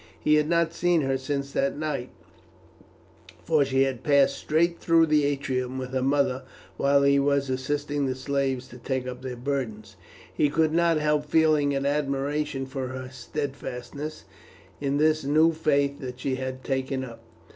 He had not seen her since that night, for she had passed straight through the atrium with her mother while he was assisting the slaves to take up their burdens. He could not help feeling an admiration for her steadfastness in this new Faith that she had taken up.